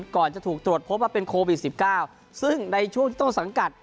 ก่อนจะถูกตรวจพบว่าเป็นโควิด๑๙ซึ่งในช่วงที่ต้นสังกัด